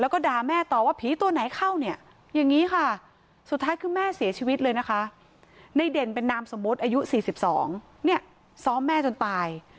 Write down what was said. แล้วก็ด่าแม่ต่อว่าผีตัวไหนเข้าเนี่ยอย่างนี้ค่ะสุดท้ายคือแม่เสียชีวิตเลยนะคะในเด่นเป็นนามสมมุติอายุ๔๒เนี่ยซ้อมแม่จนตาย